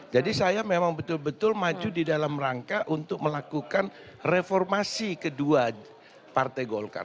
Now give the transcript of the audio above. jadi saya memang betul betul maju di dalam rangka untuk melakukan reformasi kedua partai golkar